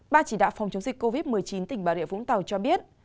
ba chỉ đạo phòng chống dịch covid một mươi chín tỉnh bà địa vũng tàu cho biết